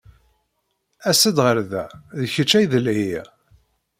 As-d ɣer da! D kecc ay d-lhiɣ.